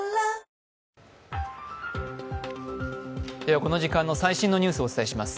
この時間の最新のニュースをお伝えします。